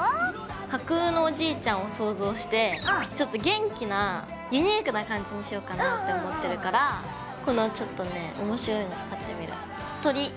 架空のおじいちゃんを想像してちょっと元気なユニークな感じにしようかなって思ってるからこのちょっとね面白いの使ってみる鳥。